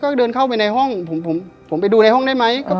ก็เดินเข้าไปในห้องผมไปดูในห้องได้ไหม